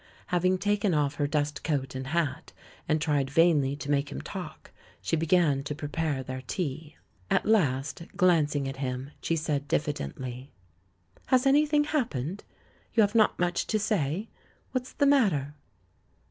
Having taken off her dust coat and hat, and tried vainly to make him talk, she began to prepare their tea. At last, glancing at him, she said diffidently: *'Has anything happened — you have not much to say? What's the matter?"